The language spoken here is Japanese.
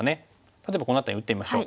例えばこの辺りに打ってみましょう。